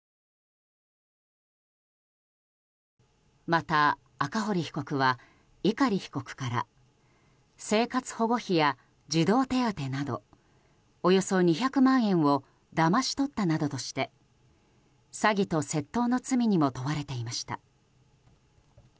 また、赤堀被告は碇被告から生活保護費や児童手当などおよそ２００万円をだまし取ったなどとして詐欺と窃盗の罪にも問われていました。